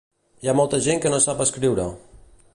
Hi ha molta gent que no sap escriure.